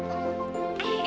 aku juga mau